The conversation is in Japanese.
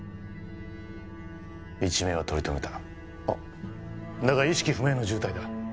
一命は取り留めたあっだが意識不明の重体だ